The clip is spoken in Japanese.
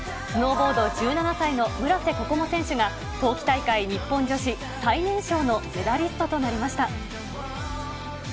スノーボード、１７歳の村瀬心椛選手が、冬季大会日本女子最年少のメダリストとなりました。